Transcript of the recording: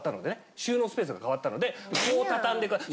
収納スペースが変わったのでこうたたんでください。